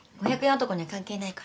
男には関係ないから。